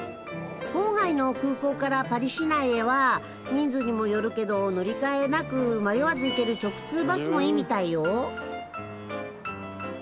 郊外の空港からパリ市内へは人数にもよるけど乗り換えなく迷わず行ける直通バスもいいみたいよ。